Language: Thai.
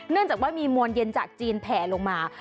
เนื่องจากว่ามีมวลเย็นจากจีนแผ่ลงมา